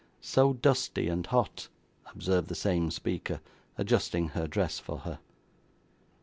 'So dusty and hot,' observed the same speaker, adjusting her dress for her.